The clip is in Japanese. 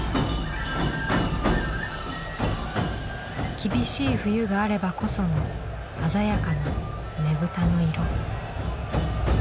厳しい冬があればこその鮮やかなねぶたの色。